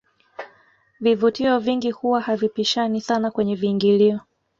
vivutio vingi huwa havipishani sana kwenye viingilio